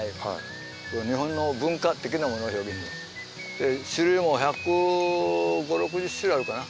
で種類も１５０１６０種類あるかな。